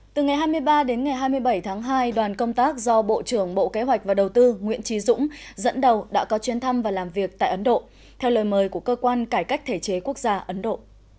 từ ngày hai mươi ba đến ngày hai mươi bảy tháng hai đoàn công tác do bộ trưởng bộ kế hoạch và đầu tư nguyễn trí dũng dẫn đầu đã có chuyến thăm và làm việc tại ấn độ theo lời mời của cơ quan cải cách thể chế quốc gia ấn độ